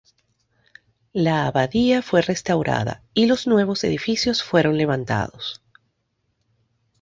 La abadía fue restaurada y los nuevos edificios fueron levantados.